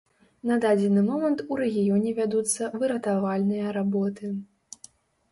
На дадзены момант у рэгіёне вядуцца выратавальныя работы.